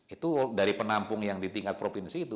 itu dari penampung yang ditingkat provinsi itu